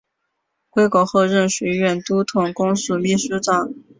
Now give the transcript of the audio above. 归国后任绥远都统公署秘书长。